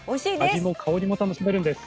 味も香りも楽しめるんです。